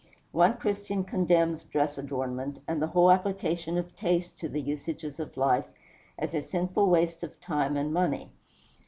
One Christian condemns dress adornment, and the whole application of taste to the usages of life, as a sinful waste of time and money.